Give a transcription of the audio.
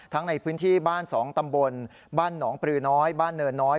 ในพื้นที่บ้าน๒ตำบลบ้านหนองปลือน้อยบ้านเนินน้อย